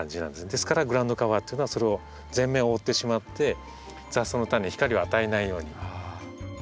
ですからグラウンドカバーというのはそれを全面を覆ってしまって雑草のタネに光を与えないように。